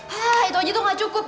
hah itu aja tuh gak cukup